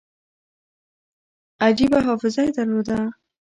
عجیبه حافظه یې درلوده.